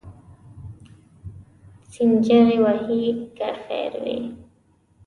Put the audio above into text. سینچري وهې که خیر وي.